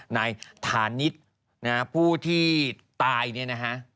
นายฐานิสนะครับผู้ที่ตายเนี่ยนะฮะ